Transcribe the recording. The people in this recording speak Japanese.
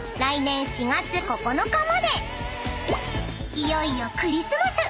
［いよいよクリスマス］